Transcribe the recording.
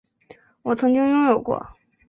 我曾经拥有过